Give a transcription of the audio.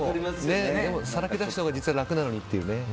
さらけ出したほうが実は楽なのにっていうね。